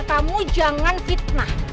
kamu jangan fitnah